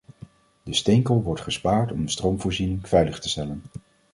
De steenkool wordt gespaard om de stroomvoorziening veilig te stellen.